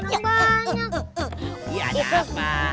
ya ada apa